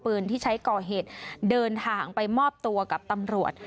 ปืนที่ใช้ก่อเหตุเดินทางไปมอบตัวกับตำรวจ